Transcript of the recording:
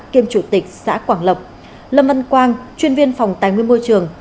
kiêm chủ tịch xã quảng lộc lâm văn quang chuyên viên phòng tài nguyên môi trường